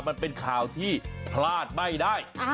มันเป็นข่าวที่พลาดไม่ได้